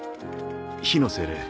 火の精霊